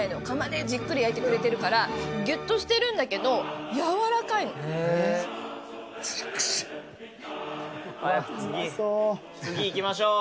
窯でじっくり焼いてくれてるから、ぎゅっとしてるんだけど、柔らかちくしょう。